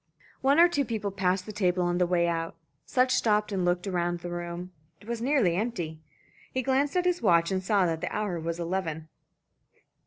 One or two people passed the table on the way out. Sutch stopped and looked round the room. It was nearly empty. He glanced at his watch and saw that the hour was eleven.